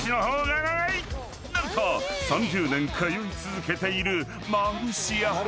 ［何と３０年通い続けているマルシア］